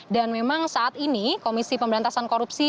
dan memang saat ini komisi pemberantasan korupsi